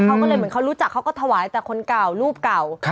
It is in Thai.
เขาก็เลยเหมือนเขารู้จักเขาก็ถวายแต่คนเก่ารูปเก่า